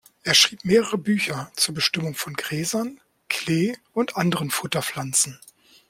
Er schrieb mehrere Bücher zur Bestimmung von Gräsern, Klee und anderen Futterpflanzen.